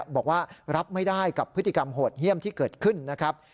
บอกว่ารับไม่ได้กับพฤติกรรมโหดเยี่ยมที่เกิดขึ้นนะครับ